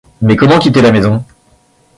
Mais comment quitter la maison ?